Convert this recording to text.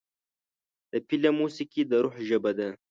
د فلم موسیقي د روح ژبه ده.